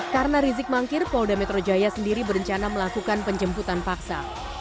karena rizik mangkir polda metro jaya sendiri berencana melakukan penjemputan paksa